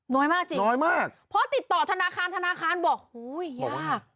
น้อยมากจริงพอติดต่อธุนาคารบอกยาก